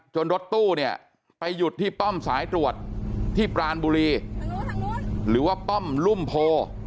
รถตู้เนี่ยไปหยุดที่ป้อมสายตรวจที่ปรานบุรีหรือว่าป้อมรุ่มโพ